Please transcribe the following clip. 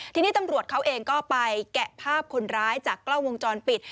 ทีนี้ตำรวจเขาเองก็ไปแกะภาพคนร้ายจากกล้องวงจรปิด